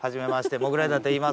モグライダーといいます。